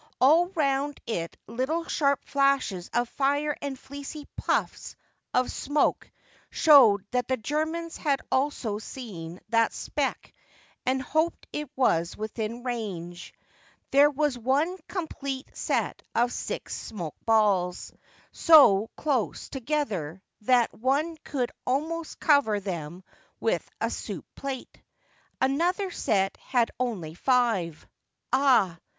All round it little sharp flashes of fire and fleecy puffs of smoke showed that the Germans had also seen that speck and hoped it was within range. There 162 TAKING OVER A HORSE 163 was one complete set of six smoke balls, so close together that one could almost cover them with a soup plate. Another set had only five. Ah